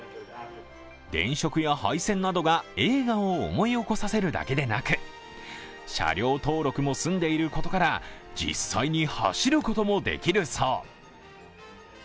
電飾や配線などが映画を思い起こさせるだけでなく車両登録も済んでいることから、実際に走ることもできるそう。